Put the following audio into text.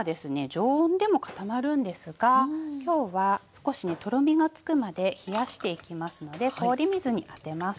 常温でも固まるんですがきょうは少しねとろみがつくまで冷やしていきますので氷水に当てます。